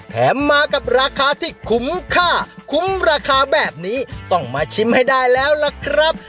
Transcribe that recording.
มากับราคาที่คุ้มค่าคุ้มราคาแบบนี้ต้องมาชิมให้ได้แล้วล่ะครับ